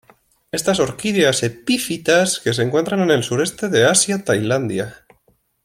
Estas orquídeas epífitas que se encuentran en el Sureste de Asia Tailandia.